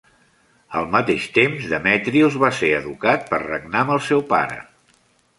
Al mateix temps, Demetrius va ser educat per regnar amb el seu pare.